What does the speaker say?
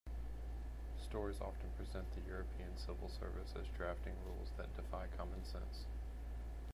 Stories often present the European civil service as drafting rules that "defy common sense".